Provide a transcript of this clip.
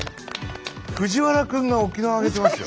藤原君が沖縄上げてますよ。